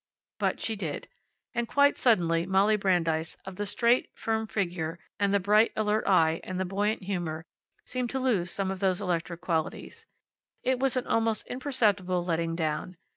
But she did. And quite suddenly Molly Brandeis, of the straight, firm figure and the bright, alert eye, and the buoyant humor, seemed to lose some of those electric qualities. It was an almost imperceptible letting down.